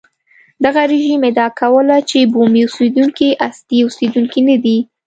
دغه رژیم ادعا کوله چې بومي اوسېدونکي اصلي اوسېدونکي نه دي.